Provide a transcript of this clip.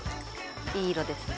いい色ですね。